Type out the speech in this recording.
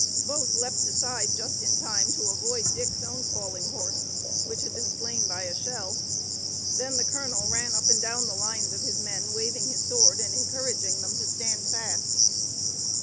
Both leaped aside just in time to avoid Dick's own falling horse, which had been slain by a shell. Then the colonel ran up and down the lines of his men, waving his sword and encouraging them to stand fast.